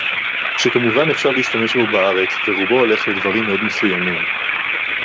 שכמובן אפשר להשתמש בו בארץ ורובו הולך לדברים מאוד מסוימים